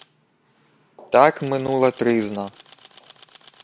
Так минула тризна.